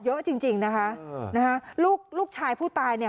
เยอะจริงจริงนะคะลูกลูกชายผู้ตายเนี่ย